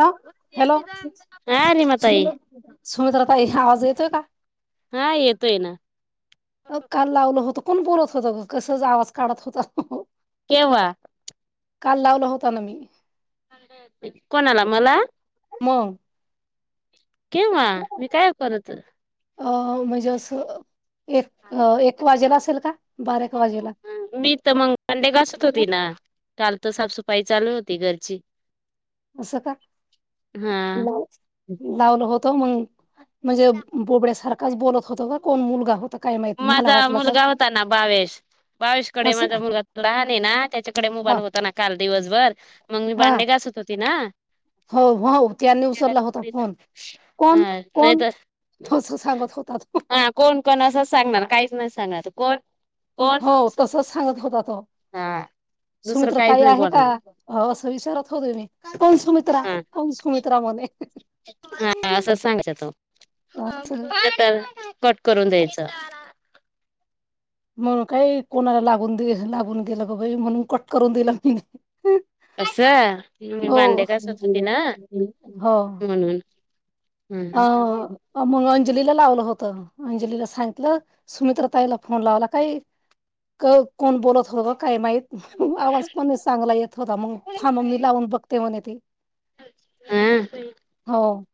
ह हॅलो हा निमाताई सुमित्रा त आवाज येतोय का हा येतोय ना अ काल लावलं होतं कोण बोलत होत ग कस आवाज काढत होता केव्हा काल लावला होता ना मी कोणा आला मला मग केिंव्हा मी काय करत अ म्हणजे असं एक एक वाजेला असेल का बारा एक वाजेला मी तर मग मडे घासत होती ना चाल तर साफसफाई चालू होती घरची असं का हा लाव लावलं होत मग म्हणजे बोबड्यासारखाच बोलत होत का कोण मुलगा होता काय माहित मला माझा वाटलं काय मुलगा होता ना बावेश बावीशकडे असं माझा मुलगा राहले ना त्याच्याकडे हा मोबाईल होता ना काल दिवसभर मग मी हा बांडे घास ती ना अ हो हो त्यांनी उचलला होता फोन कोण नाही कोण तर असं सांगत होता तो हा कोण कोण असं सांगणार काहीच नाही सांगणार कोण कोण हो तसच सांगत होता तो हा दुसरं सुमित्र काहीच ताई नाही आहे का बोलणार असं विचारत होते मी कोण सुमित्र. हा सुमित्रा म्हणे. हा असं सांगच तो तर. कट करून द्यायचं. मग काही कोणाला लागून दे लागून गेलं ग बाई म्हणून कट करून दिला मी नाही. असं मी हो भांडे घासत होती ना हो. म्हणून ह आ म. अंजलीला लावलं होत अंजलीला सांगितलं सुमित्र ताईला फोन लावला काही. क कोण बोलत होत काय माहीित. आवाज पण चांगला येत होता मग थांब मी लावून बघते म्हणे ते. हा हो.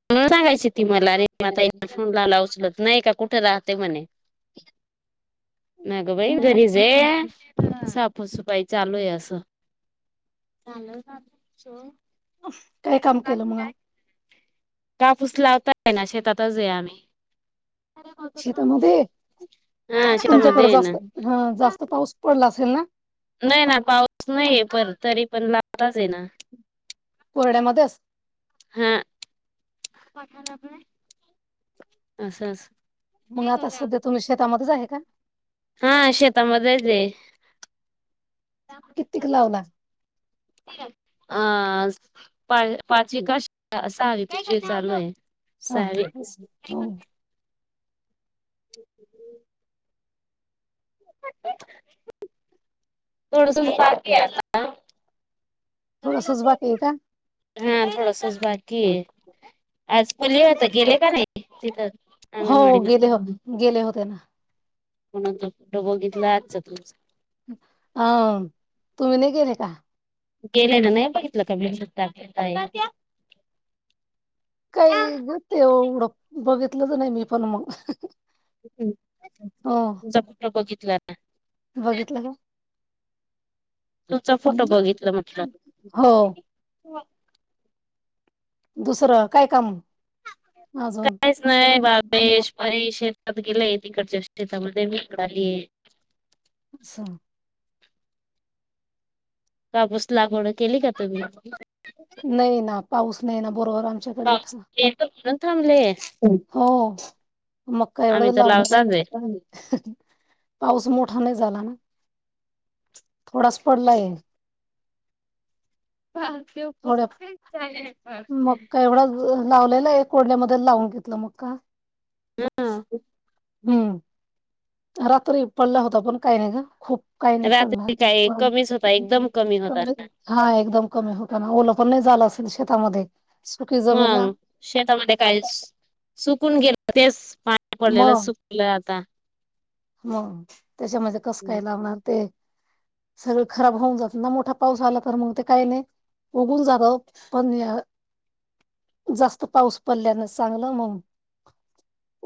सांगायची ती मला रे मता या फोन लाला उचल. नाही का कुठे राहते म्हणे. नागो बाई जरीज. सपाई चालू आहे अस चा. काय काम केलं मग. कापूस लावता आहे ना शेतातच आहे आम्ही. शेतामध्ये? ह शेता तुमच्याकडे मध्येध्ये ना. जास्त ह जास्त पाऊस पडला असेल ना नाही ना पाऊस नाहीय पण तरी पण लाताच ये ना. कोरड्यामध्येच. हा. अस अस मग आता सध्या तुम्ही शेतामध्येच आहे का हा शेतामध्ये. तेे. किती क लावला. अ पा पाचवी काश असा हवी प चालू आहे. हा सहावी हा हो. [unintelligible] थोडसं बाकी आहे अजून. थोडसच बाकी आहे का हा थोडसच बाकी की आज खुली होता गेले का नाही तिथं. हो अंगणवाडी गेले होते गेले होते ना. कोणा त फोटो बघितला आच तुमच. अ तुम्ही नाही गेले का. गेले ना नाही बघितलं काीा काही घ एवढं बघितलंच नाही मी पण मग. हो तुमचा फोटो बघितला ना. बघितलं का तुमचा फोटो हम्म. बघितलं म्हटलं. हो दुसरं काय काम. अजून काहीच नाही बाबेश परेश. आता गेलाय त तिकडच्या शेतामध्ये मी इकड आली आहे. सा कापूस लागवड केली का तुम्ही. नाही ना पाऊस नाही ना बरोबर आमच्याकडे पाऊस इथं. येतो म्हणून थांबले हो. मक्का आम्ही एवढं तर लावलेला लावताच आहे पाऊस मोठा नाही झाला ना. थोडाच पडला आहे. बा ते प. मक्का का एवढा लावलेला कोडल्या मध्ये लावून घेतलं मक्का. हा [inaudible] हम्म रात्री पडला होता पण काही नाही का खूप काही नाही पडणार रात्री काय कमीच होता एकदम कमी होता हा एकदम कमी होताना ओल झालं असेल शेतामध्ये जमीन ना मग शेतामध्ये काहीच सुकून गेलं तेच पाणी पडलेलं सुकलं आता हो त्याच्यामध्ये कसं काय अजून लावणार ते सगळ खराब होऊन जात ना मोठा पाऊस आला तर मग ते काही नाही उगघून जाात पणणीया जास्त पाऊस पडल्यान चांगलं मग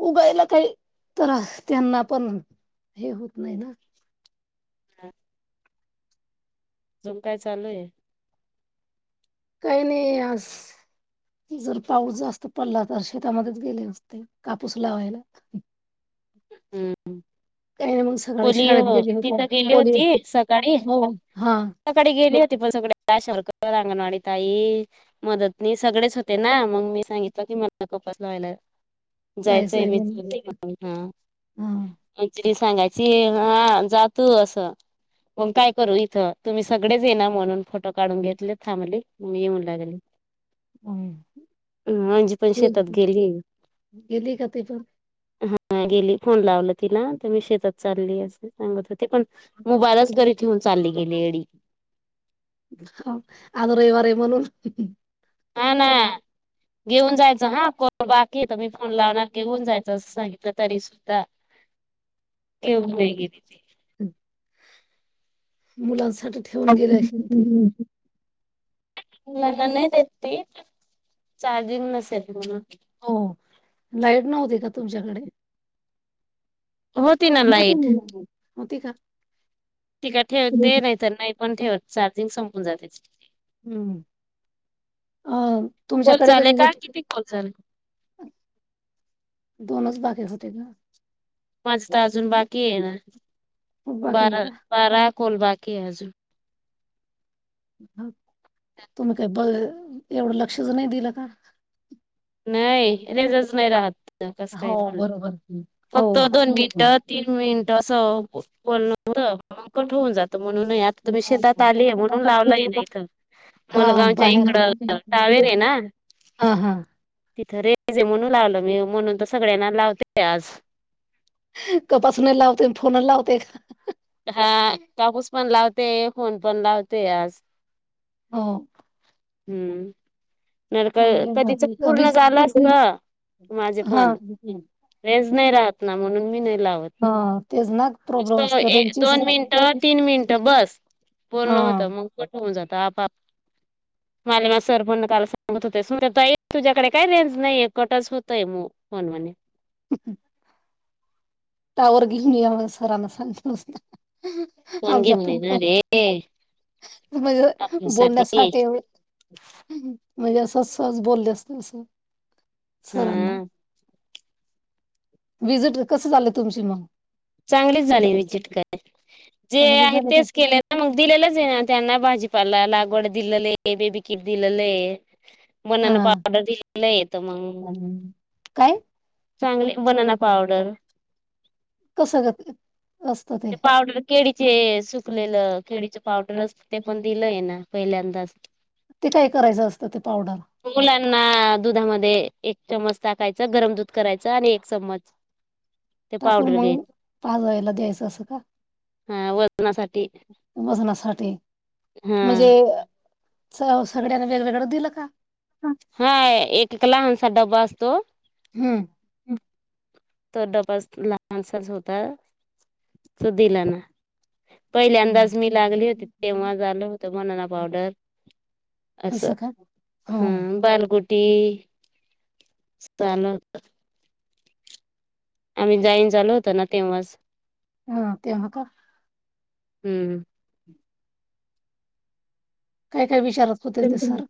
उगायला काही तर त्यांना पण हे होत नाही ना अजून काय चालू आहे काही नाही आज जर पाऊस जास्त पडला तर शेतामध्येच गेले असते कापूस लावायला हम्म काही नाही मग सकाळी शाळेत ओलीओ गेले होते तिथं गेली पोरी होती सकाळी हो हा सकाळी गेली होती पण सगळे शरकर अंगणवाडी ताई मदतनी सगळेच होते ना मग मी सांगितलं त मला कोपसला वयला जायचंय मी हा हा मजरी सांगायची हा त्यातू अससं मग काय करू इथं तुम्ही सगळेच ये ना म्हणून फोटो काढून घेतले थांबली मग येऊ लागले हम् आजी पण शेतात गेली गेली काती पण हा गेली फोन लावला तिला तर मी शेतात चालली अस सांगत होते पण मोबाईलच घरी ठेऊन चालली डी आज रविवार आहे म्हणून हा ना घेऊन जायचं हा को बाकी येत मी फोन लावणार घेऊन जायचं असं सांगितलं तरी सुद्धा येवग हेग मुलांसाठी ठेवून गेले असे ते [inaudible] नाही नाहीतेत त चार्जिंग नसेल म्हून हो लाईट नव्हती का तुमच्याकडे होती ना लाईट होती का त का ठेव ते नाहीतर नाही पण ठेवत चार्जिंग संपून जाते हम्म अ कॉल तुमच्याकडे झाले का किती कॉल झाले? दोनच बाकीे होते का माज तर अजून बाकी ये ना खूप बाकी आहे बारा का बारा कोल बाकी क अजुन तुम्ही काही ब एवढं लक्षच नाही दिलं का नाही रेजच नाही राहत कस हो काय बरोबर हो फक्त दोन मग मिनिट तीन मिनट ं बोलल हो म कट होऊन जात म्हणून आता तुम्ही शेतात आलीय म्हणून लावलाय तथ हा मलगावच्या बाहेर इकड तवेर आहे ना हा हा तिथं रेजे म्हणू लावलं मी म्हणून तर सगळ्यांना लावते आज कपासून लावते फोन लावते का हा काकूस पण लावते फोन पण लावते आज हो हम्म नर चांगले कधीच मग. आम्ही पूर्ण झालं अस माझे हा पणे नाही राहत ना म्हणून मी नाही हा तेच ना प्रॉब्लेम असते त्यांचीच दोन मिनट तीन मिनट बस पूर्ण हा होतं मग कठे होऊन जात आपाआप मला मा सर पण काला सांगत होतेस तुझ्याकडे काय रेंज नाही एकवटच होतय मग होन मणे ह टावर घेऊन या सरांना सांगलंत वगे म्हण ना रे म्हज आपल्यासाठी बोलण्यासाठी एवढ म्हणजे असं सहज बोलले असत असं सरांना हा. विजिट कसं झालं तुमची मग चांगलेच झाले विजिट कय जे चांगलं आहे झालं का? तेच केले ना मग दिलेलंच आहे ना त्यांना भाजी पला लागवाड दिलले बेबी किट दिलले बनना हा. पावडर दिलेलं येतं मग हम्म. काय चांगले वनना पावडर कसं कर ते पावडर केळी जे सुकलेलं केळीच पावडर असत ते पण दिलं आहे ना पहिल्यांदाच ते काय करायचं असतं ते पावडर? मुलांना दुधामध्ये एक चमच टाकायच गरम दूध करायच आणि एक चममच टाकून मग पाजयला यच अस का हा वजनासाठी वजनासाठी हा म्हणजे सगळ्यांना वेगवेगळं दिलं का हाय एक एक लहानसा डबा असतो हम्म तो डबा लहानसाच होता तो दिला ना पहिल्या अंदाज मी लागली होती तेव्हा झालं हम्म. होतं मनना पावडर असं हा हो. बालगुट टी सल आम्ही जाईन झालो होतो ना तेव्हाच. हा तेव्हा का? हम्म हम्म. काय काय विचारत होते ते सर.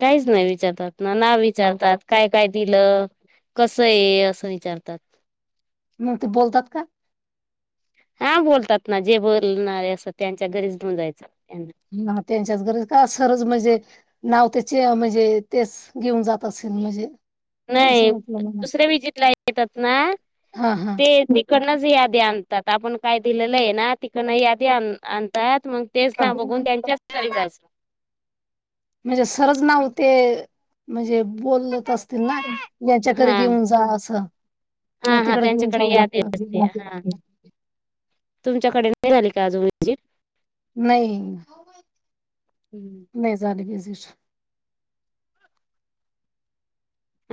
काहीच नाही विचारतात ना ना विचारतात काय काय दिलं कसये असं विचारतात. मग ते बोलतात का? हा बोलतात ना जे बोलणारे असं त्यांच्या घरीच घेऊन जायचं. त्यांना ह त्यांच्याच गरज का सरच म्हणजे. नाव त्याचे म्हणजे तेच घेऊन जात असेल म्हणजे नाही असं वाटलं मला. दुसऱ्या व्हिजीटला येतात ना हा हा. ते तिकडनच याद्या आन आपण काय दिलेलंय ना तिकंडन यादी आन आणतात. मग तेच ना बघून हा त्यांच्याच घरी जायच. म्हणजे सरच नाव ते म्हणजे बोलत असतील ना याच्याकडे हा घेऊन जा असं. मग हा हा तिकड घेऊन त्यांच्याकडे जावं लागत. तुमच्या निघाली का आज व्हिजिट नाही नाही झाली विजिट.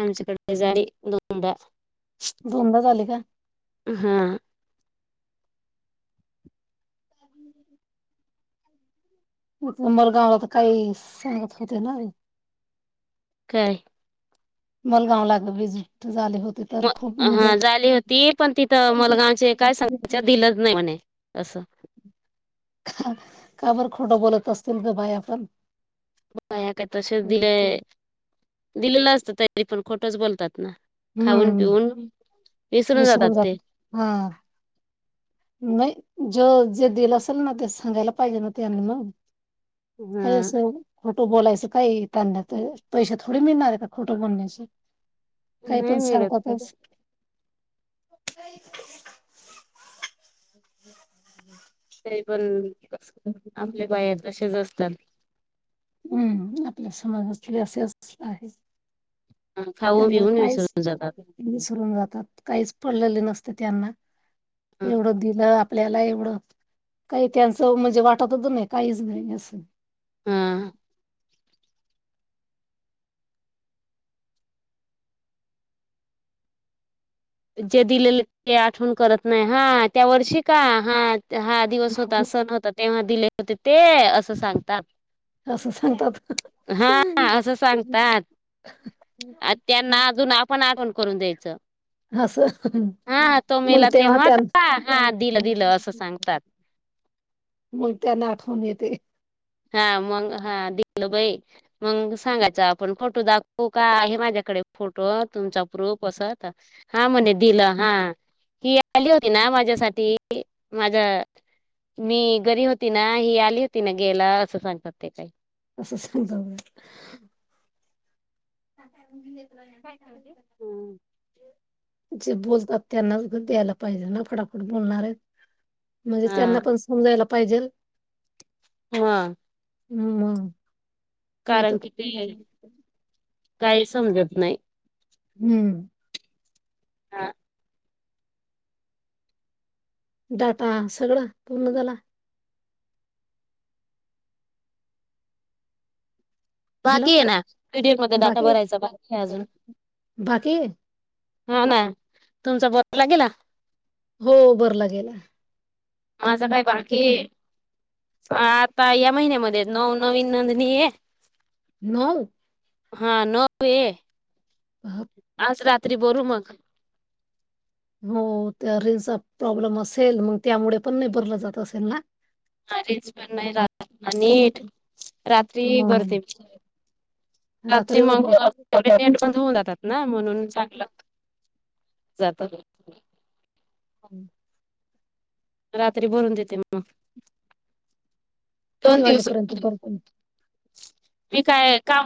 आमच्याकडे जाडी दोनदा. दोनदा झाले का? हा म-मरगावला तर काही सांगत होते ना. काय? मलगाव ला विजिट झाले होते. तर खूप म म्हणजे हा झाली होती पण तिथं मलगावचे काय सांगायच्या दिलं नाही म्हणे तसं का बर खोटं बोलत असतील गं बाया पण. ह काय तसेच दिले दिलेलं असत तरी पण खोटंच बोलतात खाऊन पिऊन विसरून जातात जात ते. हा नाही जे जे दिलं असेल ना ते सांगायला पाहिजे ना त्यांनी म. ह. बोलायचं काही त्यांना तर पैसे थोडे मिळणारेत का? खोटं बोलण्याचे. काय पण नाही मिळत सांगतात च. [unintelligible] [inaudible] नई पण आपल्या बाया तश्याच असतात. हम्म आपल्या समाजात जास्तीत जास्त असंच आहे. हा खाऊन त्यांना पिऊन काहीच विसरून जातात विसरून जातात, काहीच पडलेलं नसतं, त्यांना एवढं दिलं आपल्याला एवढं काही त्यांचं म्हणजे वाटतच नाही काहीच नाही असं. ह ह. जे दिलेलं ते आठवण करत नाही हा त्या वर्षी का? हा. हा दिवस होता सण होता तेव्हा दिले होते ते असं सांगतात. असं सांगतात हा असं सांगतात. अ त्यांना अजून आपण आठवण करून द्यायचं. असं हा तो मग मेला तेव्हा त्यां का हा दिलं दिलं असं सांगतात. मग त्यांना आठवन येते. हा मग हा दिलं बाई मग सांगायचं आपण फोटो दाखवू का आहे माझ्याक कडे फोटो तुमचा प्रूफ असंत हा म्हणे दिलं हा ही आली होती ना माझ्यासाठी माझ्या मी घरी होती ना ही आली हुती ना गेलं असं सांगतात ते काही. असं सांगत. [unintelligible] जे बोलतात त्यांनाच [unintelligible] द्यायला पाहिजे ना फडाफट बोलणारे. म्हणजे हा त्यांना पण [unintelligible] पाहिजेल. हा. हम् म तर. की ते काही समजत नाही. हम्म. हा. डाटा सगळं पूर्ण झाला. हॅलो बाकीये ना पीडीएफ मध्ये डाटा बाकी भरायचा बाकीये अजून. बाकी आहे? हा ना तुमचा [unintelligible] गेला. हो बोरला गेलाय. माझं काय बाकी. हं.. आता या महिन्यामध्ये नऊ नवीन नोंदणी आहे. नऊ. हा नऊ आज रात्री [unintelligible] मग हो त्या रिंगचा प्रॉब्लेम असेल मग त्यामुळे पण नाही भरलं जात असेल ना हा रेच पण नाही नीट रात्री मग भरते. रात्री मग भरते का पऊन जातात ना म्हणून चांगलं. जात. हम् रात्री भरून देते मग. किती वाजेपर्यंत भरपण. मी काय काम.